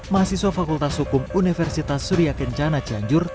mahasiswa fakultas hukum universitas surya kencana cianjur